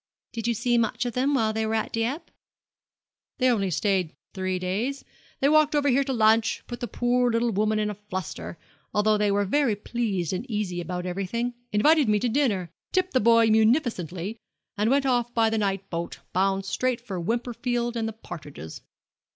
'Did you see much of them while they were at Dieppe?' 'They only stayed three days. They walked over here to lunch, put the poor little woman in a fluster although they were very pleasant and easy about everything invited me to dinner, tipped the boy munificently, and went off by the night boat, bound straight for Wimperfield and the partridges.